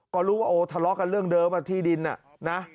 ก็รู้ว่าโอ้ทะเลาะกันเรื่องเดิมที่ดินนะ